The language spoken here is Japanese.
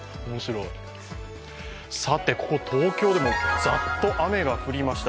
ここ、東京でもザッと雨が降りました。